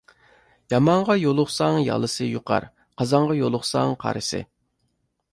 يامانغا يولۇقساڭ يالىسى يۇقار، قازانغا يولۇقساڭ قارىسى.